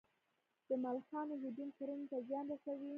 د ملخانو هجوم کرنې ته زیان رسوي؟